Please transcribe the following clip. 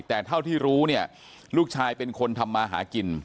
แต่เท่าที่รู้เนี่ยลูกชายเป็นคนทำมาหากิน